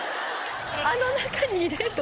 「あの中に入れるの？